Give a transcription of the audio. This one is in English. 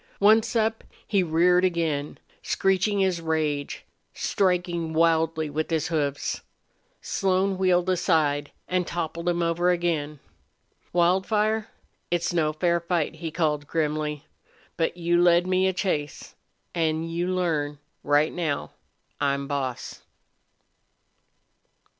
Once up, he reared again, screeching his rage, striking wildly with his hoofs. Slone wheeled aside and toppled him over again. "Wildfire, it's no fair fight," he called, grimly. "But you led me a chase. An' you learn right now I'm boss!"